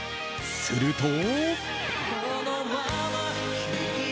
すると。